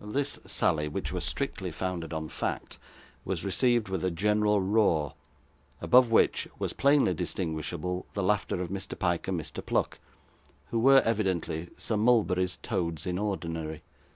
This sally (which was strictly founded on fact) was received with a general roar, above which, was plainly distinguishable the laughter of Mr. Pyke and Mr. Pluck, who were, evidently, Sir Mulberry's toads in ordinary.